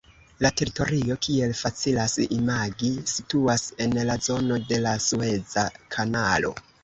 La teritorio, kiel facilas imagi, situas en la zono de la Sueza Kanalo.